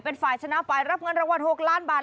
เป็นฝ่ายชนะฝ่ายรับเงินรางวัล๖ล้านบาท